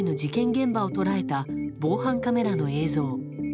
現場を捉えた防犯カメラの映像。